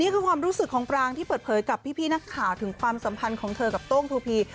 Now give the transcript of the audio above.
ความรู้สึกของปรางที่เปิดเผยกับพี่นักข่าวถึงความสัมพันธ์ของเธอกับโต้งทูพี